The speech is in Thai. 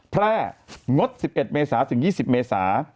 แพร่งด๑๑เมษาถึง๒๐เมษา